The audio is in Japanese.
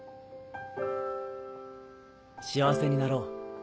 幸せになろう。